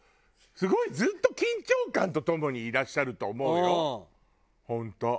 すごいずっと緊張感とともにいらっしゃると思うよ本当。